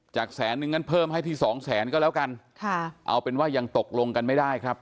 แสนนึงงั้นเพิ่มให้ที่สองแสนก็แล้วกันค่ะเอาเป็นว่ายังตกลงกันไม่ได้ครับ